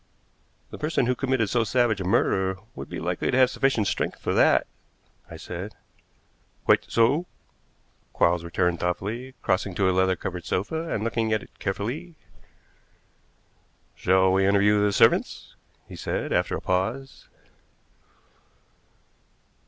"The person who committed so savage a murder would be likely to have sufficient strength for that," I said. "Quite so," Quarles returned thoughtfully, crossing to a leather covered sofa and looking at it carefully. "Shall we interview the servants?" he said, after a pause.